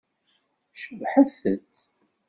Cebbḥet-t!